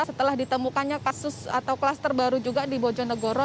setelah ditemukannya kasus atau klaster baru juga di bojonegoro